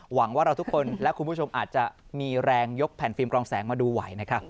หวังว่าเราทุกคนและคุณผู้ชมอาจจะมีแรงยกแผ่นฟิล์กรองแสงมาดูไหวนะครับ